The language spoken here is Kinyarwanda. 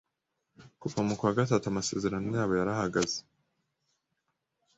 kuva mukwa gatatu amasezerano yabo yarahagaze